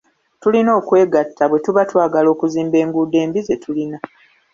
Tulina okwegata bwetuba twagala okuzimba enguudo embi ze tulina,